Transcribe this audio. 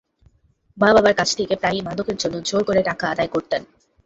মা–বাবার কাছ থেকে প্রায়ই মাদকের জন্য জোর করে টাকা আদায় করতেন।